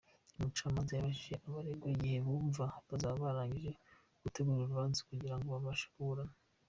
Umucamanza yabajije abaregwa igihe bumva bazaba barangije gutegura urubanza kugira ngo babashe kuburana.